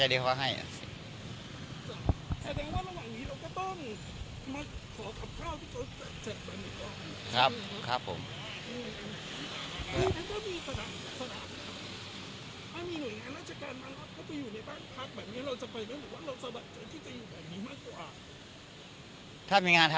สัดยังว่าระหว่างนี้เราก็ต้อง